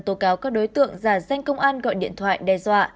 tố cáo các đối tượng giả danh công an gọi điện thoại đe dọa